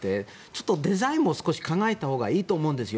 ちょっとデザインも少し考えたほうがいいと思うんです。